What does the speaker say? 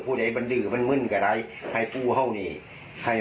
พูดไว้บันดึบันมึ่นก็ได้ให้ปูเฮ่าเนี่ย